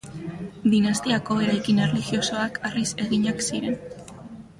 Dinastiako eraikin erlijiosoak harriz eginak ziren.